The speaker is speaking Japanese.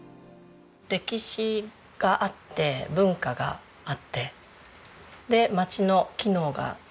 歴史があって文化があってで町の機能がある。